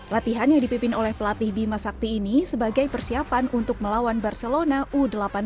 latihan yang dipimpin oleh pelatih bima sakti ini sebagai persiapan untuk melawan barcelona u delapan belas